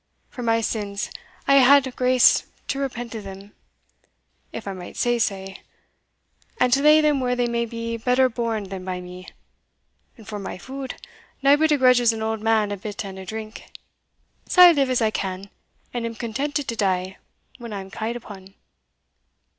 For my sins, I hae had grace to repent of them, if I might say sae, and to lay them where they may be better borne than by me; and for my food, naebody grudges an auld man a bit and a drink Sae I live as I can, and am contented to die when I am ca'd upon."